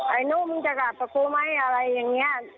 ไอ้นุ่งมึงจะกัดกับกูไหมอะไรอย่างนี้